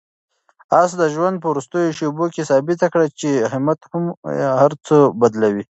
آس د ژوند په وروستیو شېبو کې ثابته کړه چې همت هر څه بدلوي.